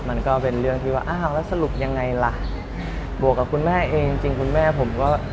มันก็เป็นเรื่องที่ว่าอ้าวแล้วสรุปยังไงล่ะบวกกับคุณแม่เองจริงจริงคุณแม่ผมก็